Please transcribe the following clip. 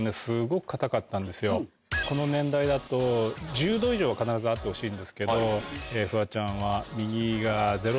この年代だと１０度以上は必ずあってほしいんですけど。